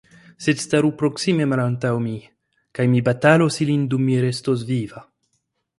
Sed staru proksime malantaŭ mi, kaj mi batalos ilin dum mi restos viva.